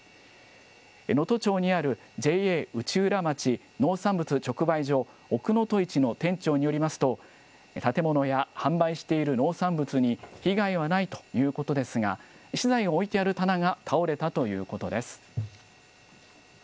能登町にあるＪＡ内浦町農産物直売所おくのといちの店長によりますと、建物や販売している農産物に被害はないということですが、資材を置いてある棚が倒れたということです。